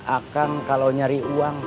akang kalau nyari uang